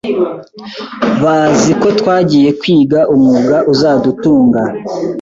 bazi ko twagiye kwiga umwuga uzadutunga